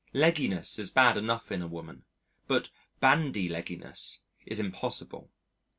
Legginess is bad enough in a woman, but bandy legginess is impossible.